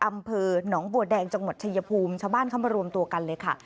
อำเภอหนองบัวแดงจังหวัดชายภูมิชาวบ้านเข้ามารวมตัวกันเลยค่ะ